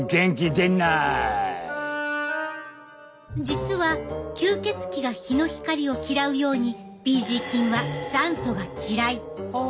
実は吸血鬼が日の光を嫌うようにＰ．ｇ菌は酸素が嫌い。